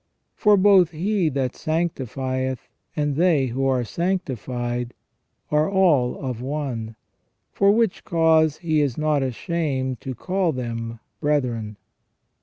For both He that sanctifieth and they who are sanctified are all of one. For which cause He is not ashamed to call them brethren."